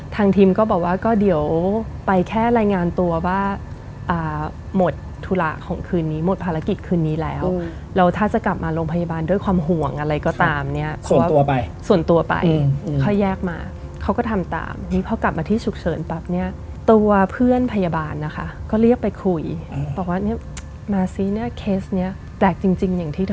ทีมก็บอกว่าก็เดี๋ยวไปแค่รายงานตัวว่าหมดธุระของคืนนี้หมดภารกิจคืนนี้แล้วแล้วถ้าจะกลับมาโรงพยาบาลด้วยความห่วงอะไรก็ตามเนี่ยขอตัวไปส่วนตัวไปค่อยแยกมาเขาก็ทำตามนี้พอกลับมาที่ฉุกเฉินปั๊บเนี่ยตัวเพื่อนพยาบาลนะคะก็เรียกไปคุยบอกว่าเนี่ยมาซิเนี่ยเคสเนี้ยแปลกจริงอย่างที่ท